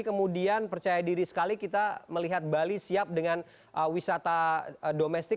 kemudian percaya diri sekali kita melihat bali siap dengan wisata domestik